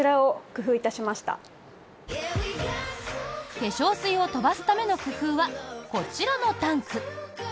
化粧水を飛ばすための工夫はこちらのタンク。